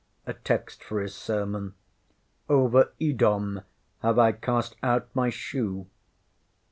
a text for his sermon ŌĆ£Over Edom have I cast out my shoe.